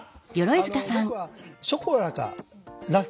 僕はショコラかラスクか。